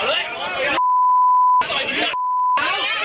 เลยลอยแล้วหมด